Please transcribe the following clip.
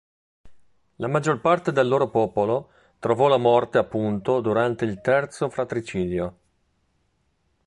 La maggior parte del loro popolo trovò la morte appunto durante il Terzo Fratricidio.